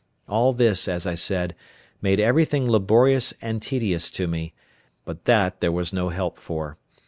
All this, as I said, made everything laborious and tedious to me; but that there was no help for.